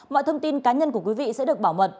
mọi thông tin cá nhân của quý vị sẽ được bảo mật